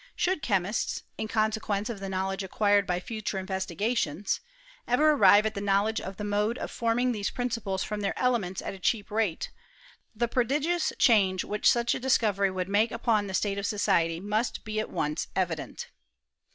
Should chemists, in consequence of the knowledge acquired by future investigations, ever arrive at the knowledge of the mode of forming these principles from their elements at a cheap rate, the prodigious change which such a discovery would make upon the state of society must be at once evident.